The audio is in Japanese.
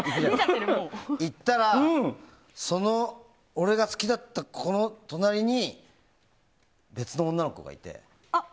行ったらその、俺が好きだった子の隣に別の女の子がいて。